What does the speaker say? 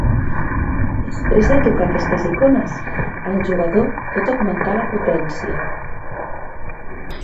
Després de tocar aquestes icones, el jugador pot augmentar la potència.